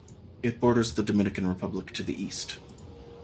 It borders the Dominican Republic to the east.